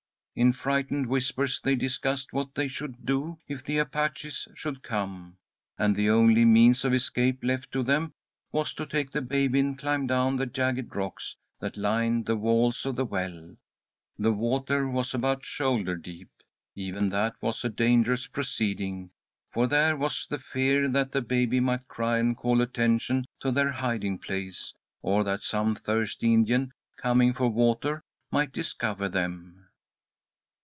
In frightened whispers they discussed what they should do if the Apaches should come, and the only means of escape left to them was to take the baby and climb down the jagged rocks that lined the walls of the well. The water was about shoulder deep. Even that was a dangerous proceeding, for there was the fear that the baby might cry and call attention to their hiding place, or that some thirsty Indian, coming for water, might discover them.